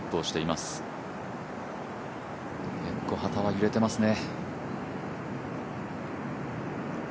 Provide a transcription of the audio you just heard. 結構、旗は揺れてますね。